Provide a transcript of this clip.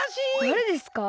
だれですか？